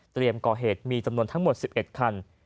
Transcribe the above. ก่อเหตุมีจำนวนทั้งหมด๑๑คัน